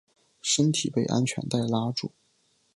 身体被安全带拉住